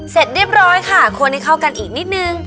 เสร็จเรียบร้อยค่ะควรให้เข้ากันอีกนิดนึง